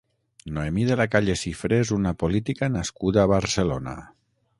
Noemí de la Calle Sifré és una política nascuda a Barcelona.